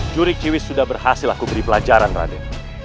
curik ciwis sudah berhasil aku beri pelajaran raden